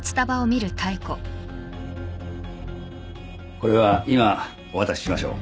これは今お渡ししましょう。